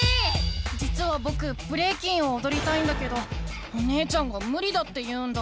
じつはぼくブレイキンをおどりたいんだけどお姉ちゃんがむりだって言うんだ。